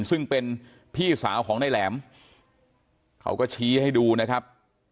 ซึ่งเป็นพี่สาวของนายแหลมเขาก็ชี้ให้ดูนะครับ